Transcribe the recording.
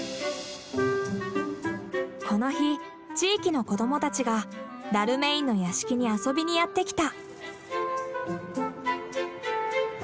この日地域の子どもたちがダルメインの屋敷に遊びにやって来た。